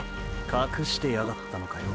隠してやがったのかよ